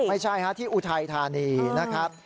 ไม่ใช่ฮะที่อุทัยธานีนะครับ